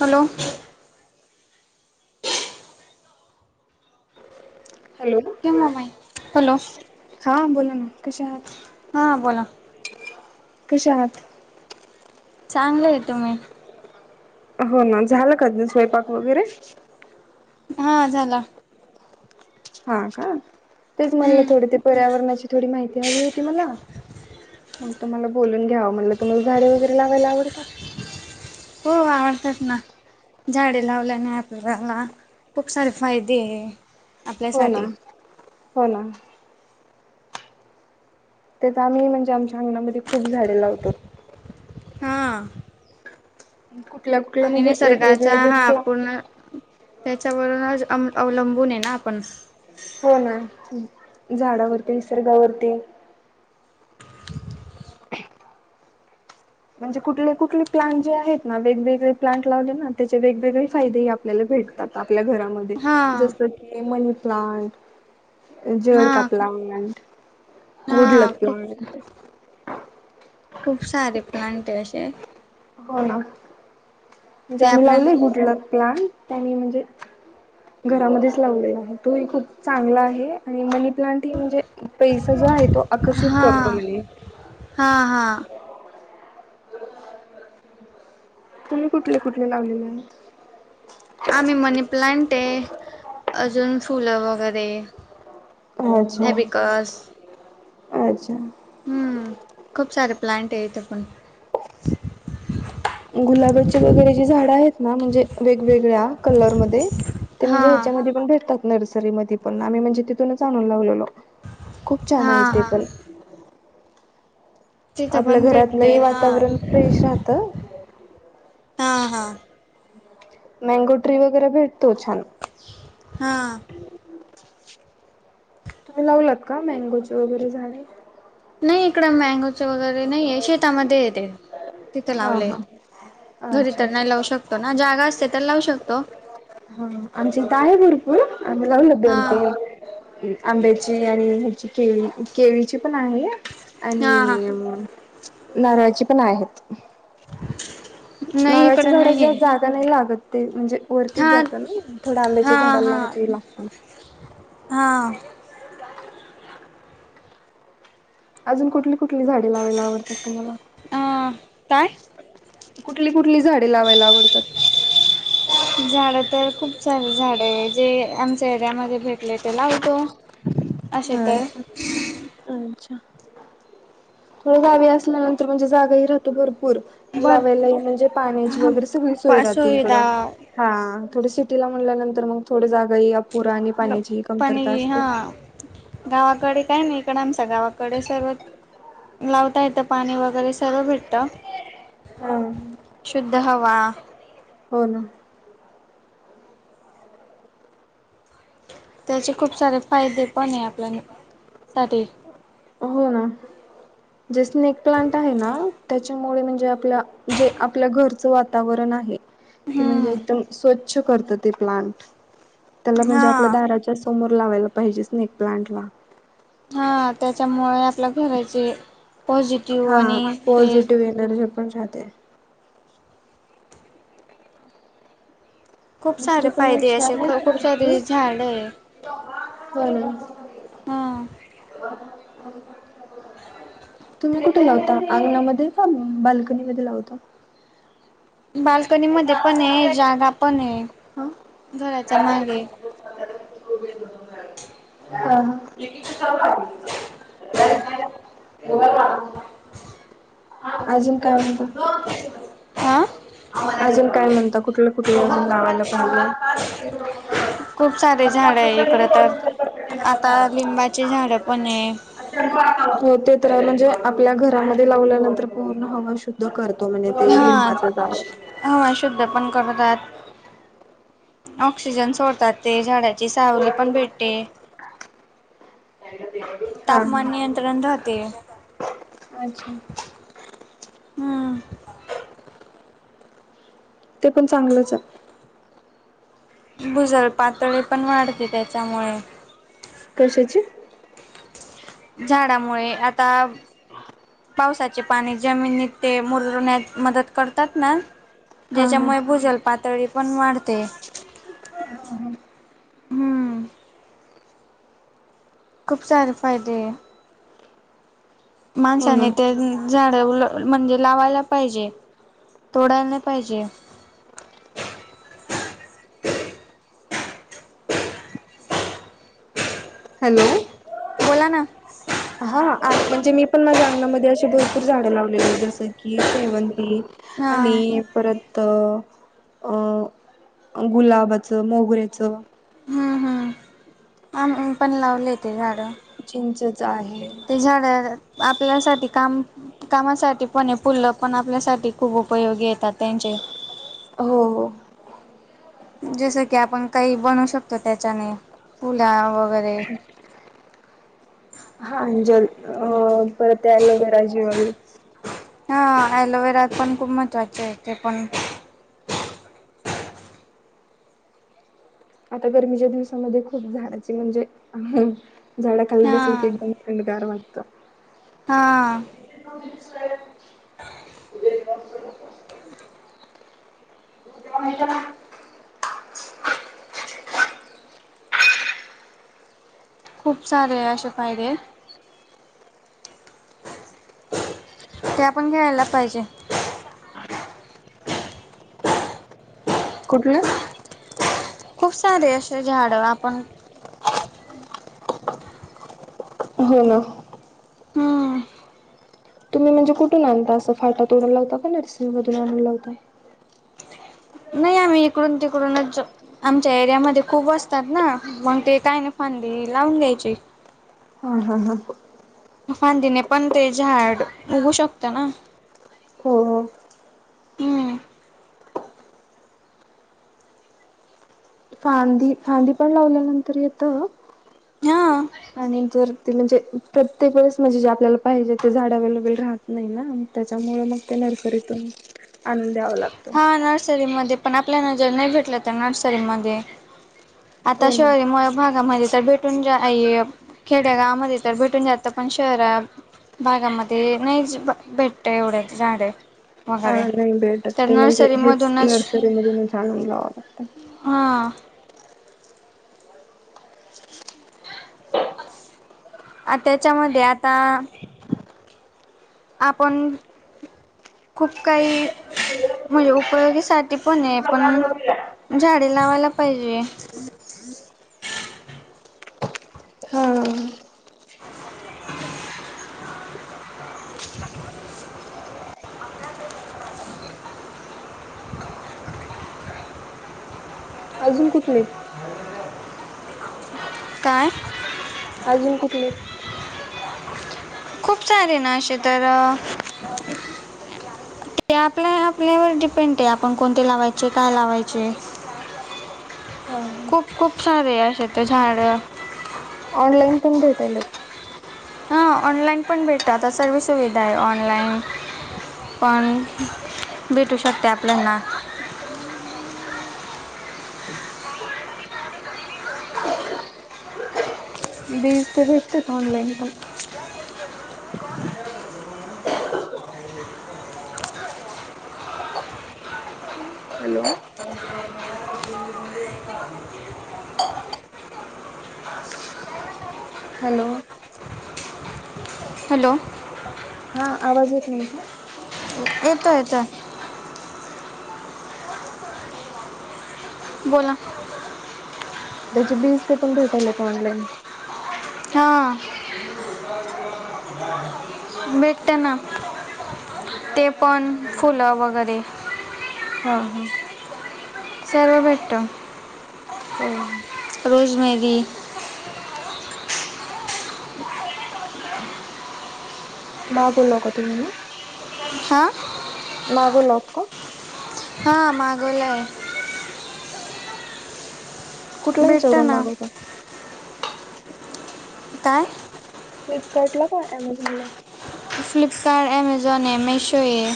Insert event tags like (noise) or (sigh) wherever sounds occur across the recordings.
Hello. Hello. तुम्हा माहीत hello हा बोला ना कश्या आहात. हा बोला. कश्या आहात. चांगलं आहे तुम्ही? हो ना झालं का स्वयंपाक वगैरे हा झाला. हा का तेच मला हम्म थोडे ते पर्यावरणाची थोडी माहिती हवी होती मला. मग तुम्हाला बोलून घ्याव म्हटलं तुम्हाला झाडे वगैरे लावायला आवडतात. हो आवडतात ना. झाडे लावल्याने आपल्याला खूप सारे फायदे हो ना आपल्यासाठी हो ना. त्यात आम्ही म्हणजे आमच्या अंगणामध्ये खूप झाडे लावतात. हा. कुठल्या कुठल्या आणि म्हणजे निसर्गाच्या वेगवेगळ्या जे हा प्ला पूर्ण त्याच्यावरूनच अंम अवलंबून आहे ना आपण. हो ना झाडावरती निसर्गावरती म्हणजे कुठले कुठले प्लांट जे आहेत ना वेगवेगळे प्लांट लावले ना त्याचे वेगवेगळे फायदे आप आपल्याला भेटतात आपल्या घरामध्ये हा जसं की मनी प्लांट हा जडका प्लांट हा गुडलक खूप प्लांट खूप सारे प्लांट आहे अशे हो ना म्हणजे ते आम्ही आपल्या लावलय गुडलक प्लांट. त्यांनी म्हणजे घरामध्येच लावलय तोही खूप चांगला आहे. आणि मनी प्लांट ह म्हणजे पैसा जो आहे तो आकर्षित हा करतो म्हणे. हा हा. तुम्ही कुठले कुठले लावलेले आहेत. आम्ही मनी प्लांट आहे अजून फुलं वगैरे अच्छा हॅबिकस अच्छा. हम्म खूप सारे प्लांटये इथे पण (inaudible) गुलाबाची वगैरे जी झाडं आहेत ना म्हणजे वेगवेगळ्या कलरमध्ये ते हा म्हणजे ह्याच्यामध्ये पण भेटतात नर्सरीमध्ये पण आम्ही म्हणजे तिथूनच आणून लावलेलो. खूप छान हा आहे ते हा पण. तिथं आपल्या पण भेटते घरातलंही हा वातावरण फ्रेश राहतं. हा हा. मँगो ट्री वगैरे भेटतो छान. हा. तुम्ही लावलात का मॅंगोचे वगैरे झाड? नाही इकडं मँगो चे वगैरे नाहीे शेतामध्ये ये ते तिथे हा लावले. हा. घरी अच्छा तर नाही लावू शकतो ना जागा असते तर लावू शकतो. हा हा आमच्या इथ आहे भरपूर आम्ही लावले हा दोन तिन. म आंब्याची आणि ह्याची केळी केळीची पण आहे हा आणि हा नारळाची पण आहेत. नाही इकड नारळाची झाड नाही जेव्हा आहे. जा त नाही लागत ते म्हणजे वरतीच हा जात नई थोडं हा आंब्याच्या झाडाला हा वरती लागत. हा. अजून कुठली कुठली झाडे लावायला आवडतात तुम्हाला? अ काय कुठली कुठली झाडे लावायला आवडतात? झाड तर खूप सारे झाडं य जे आम टेहऱ्यामध्ये भेटले त लावतो अशे तर अच्छा अच्छा हो गावी असल्यानंतर म्हणजे जागाही राहतो भरपूर. बर लावायला ई म्हणजे पाण्याची ह वगैरे सगळी सोय राहते इकडं. सुविधा हा थोडी सिटीला म्हणल्यानंतर मग थोडी जागाही अपुरा आणि पाण्याची कमतरता तानी असते हा गावाकडे काय ना इकडं आमच गावाकडे सर्व लावता येतं पाणी वगैरे सर्व भेटतं. हा. शुद्ध हवा. हो ना. त्याचे खूप सारे फायदे पण आहे आपल्या न साठी. हो ना जे स्नेक प्लांट आहे ना त्या च्यामुळे म्हणजे आप जे आपल्या घरचं वातावरण आहे. ते म्हणजे हम्म एकदम स्वच्छ करत ते प्लांट. त्याला म्हणजे हा आपल्या दाराच्या समोर लावायला पाहिजे स्नेक प्लांट ला. हा त्याच्यामुळे आपल्या घराचे पॉझिटिव. हा पॉझिटिव्ह एनर्जी पण राहते. खूप दुसर सारे पण फायदे असे खूप सारे झाड आहे (unintelligible) हो ना. हां. (inaudible) तुम्ही कुठे लावलता अंगणामध्ये का बाल्कनीमध्ये लावता. बाल्कनी मध्ये पण ये जागा पण ये घराच्या मागे. (unintelligible) हां हां. आजून काय म्हणता? हा अजून काय म्हणत कुठलं कुठलं झाड लावल खाली. खूप सारे झाड बदलापूर आहे ला इकडं तर गेली आता लिंबाचे झाड पण आहे (unintelligible) होते ते म्हणजे आपल्या घरामध्ये लावल्यानंतर पूर्ण हवा शुद्ध द्ध करतो म्हणजे ते हा लिंबाच पा. हवा शुद्ध पण करतात ऑक्सिजन सोडतात. ते झाडाची सावली पण भेटते. (unintelligible) तापमान नियंत्रण राहते. अच्छा. हम्म. तो पण चांगलंच आ. भुजल पातळी पण वाढते त्याच्यामुळे. कशाची? झाडामुळे आता. ह. पावसाचे पाणी जमिनीत ते मुरण्यात मदत करतात ना. हा हा ज्याच्यामुळे भुजल पातळी पण वाढते. हा हा. हम्म खूप सारे फायदे. हो माणसाने ना तेन झाड म्हणजे लावायला पाहिजे, तोडायला नाही पाहिजे. हॅलो. बोला ना. (unintelligible) हा म्हणजे मी पण माझ्या अंगणामध्ये असशी भरपूर झाडं लावलेली आहेत. जसं की शेवंती, हा आणि. परत गुलाबाचं, मोगऱेचं हम्म हम्म आम्ही पण लावून देतोय झाडं, चिंचच आहे ते झाड आपल्यासाठी काम कामासाठी पण फुलं पण आपल्यासाठी खूप उपयोगी येतात त्यांचे. हो. जसं की आपण काही बनू शकतो त्याच्याने फुला वगैरे. हा अं जल अ परत एलोवेरा जल. हा एलोवेरा पण खूप महत्त्वाचे आहे ते पण. आता गरमीच्या दिवसामध्ये खूप झाडाची म्हणजे झाडा खाली हा. बसून (unintelligible) गार वागतं. हा. (unintelligible) (unintelligible) खूप सारे अशे फायदे. ते आपण घ्यायला पाहिजे. कुठलं. खूप सारे असे झाड आपण हो ना. हम्म तुम्ही म्हणजे कुठून आणता असं फाटा तोडून लावता का नर्सिंग मधून आणून लावता. मी इकडून तिकडूनच. आमच्या एरियामध्ये खूप असतात ना मग ते काय नाही फांदी लावून घ्यायची. हा हा हा. फांदीने पण ते झाड उगू शकतं ना. हो. हम्म फांदी फांदी पण लावल्यानंतर येतं. हा. आणि जर ति म्हणजे प्रत्येक वेळेस म्हणजे जे आपल्याला पाहिजे ते झाड अवेलेबल राह नाही ना त्याच्यामुळ मग ते नर्सरीतून आनून द्यावां लागत. हा नर्सरीमध्ये पण आपल्या ना जर नाही भेटलं तर नर्सरीमध्ये आता हो ना शहरी मूळ भागामध्ये तर भेटून जा, (unintelligible) खेड्या गावामध्ये तर भेटून जा त पण शहरा भागामध्ये नाही भेटत एवढ्या झाडे. हा वगैरे नाही भेटत तर ते म्हणजे हेच नर्सरीमधूनच नर्सरीमध्ये मधूनच आणून लावावं लागत. हां. आत्याच्यामध्ये आता आपण. खूप काही म्हणजे उपयोगीसाठी पण आहे पण झाडे लावायला पाहिजे. (inaudible) हा. अजून कुठले? काय. अजून कुठले? खूप छान हे ना असे तर. ते आपल्या आपल्यावर डिपेंड आहे आपण कोणते लावायचे काय लावायचे? (unintelligible) हा खूप खूप भारी आहे असे तर झाड. ऑनलाईन पण भेटयल. हा ऑनलाईन पण भेटत आता सर्व सुविधा आहे ऑनलाईन. पण, भेटू शकते आपल्याना. (unintelligible) बीज ते भेटते का ऑनलाईन पण. Hello hello. हॅलो. हा आवाज येत नाही का? येतोय येतोय. बोला. त्याची बीज ते पण भेटायलेत ऑनलाईन. हां. भेटत ना. ते पण, फुलं वगैरे. हा, हा. सर्व भेटतं. हो. रोज मेरी. मागवला का तुम्ही नी? हा. मागाव लात का? हा मागवलाय. कुठल्या हिच्या भेटतं वरूण ना मागवता? काय? फ्लिपकार्टला का अमेझॉन ला? फ्लिपकार्ट, अमाझॉन ये, मेशो ये.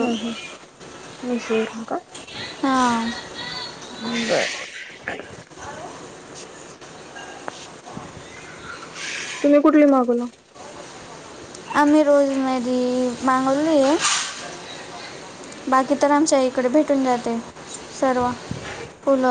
हा हा, मीशो वर का? हा. बर. तुम्ही कुठली मागवला? आम्ही रोज मेरी मागवलीये. बाकी तर आमच्या इकडे भेटून जाते, सर्व. फुलं